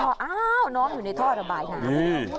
พออ้าวน้องอยู่ในท่อระบายน้ำ